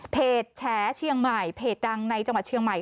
แฉเชียงใหม่เพจดังในจังหวัดเชียงใหม่